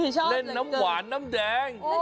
แนะนำหวานน้ำแดง